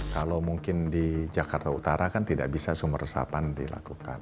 kalau mungkin di jakarta utara kan tidak bisa sumber resapan dilakukan